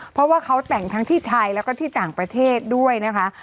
เพราะว่าเขาแต่งทั้งที่ไทยแล้วก็ที่ต่างประเทศด้วยนะคะ